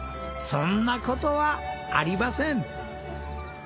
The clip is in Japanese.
そんな事はありません。